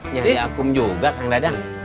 nyari akum juga kang dadang